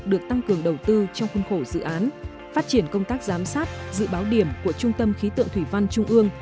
được tăng cường đầu tư trong khuôn khổ dự án phát triển công tác giám sát dự báo điểm của trung tâm khí tượng thủy văn trung ương